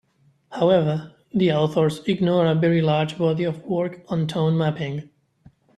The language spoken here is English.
However, the authors ignore a very large body of work on tone mapping.